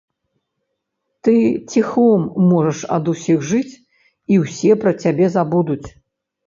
Ты ціхом можаш ад усіх жыць, і ўсе пра цябе забудуць.